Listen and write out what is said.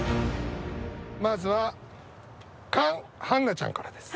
まずはカン・ハンナちゃんからです。